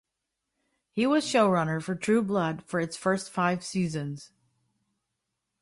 He was showrunner for "True Blood" for its first five seasons.